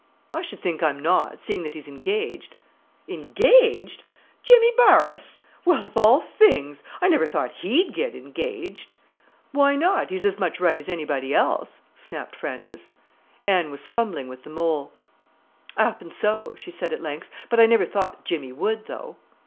"I should think I'm not, seeing that he's engaged." "Engaged? Jimmy Barrass! Well, of all things! I never thought he'd get engaged." "Why not, he's as much right as anybody else?" snapped Frances. Anne was fumbling with the mole. "'Appen so," she said at length; "but I never thought Jimmy would, though."